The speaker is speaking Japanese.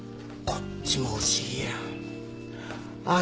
あっちも不思議やねん。